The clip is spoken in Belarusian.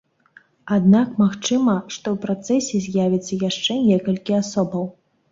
Аднак магчыма, што ў працэсе з'явіцца яшчэ некалькі асобаў.